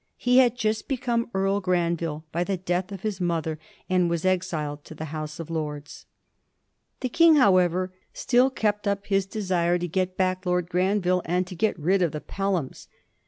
He had just become Earl Granville by the death of his mother, and was exiled to the House of Lords. The King, however, still kept up his desire to get back Lord Granville and to get rid of the Pelhams.